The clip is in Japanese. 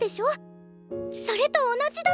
それと同じだって！